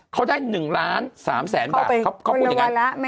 เขาได้๑ล้าน๓แสนบาทเขาพูดอย่างนั้น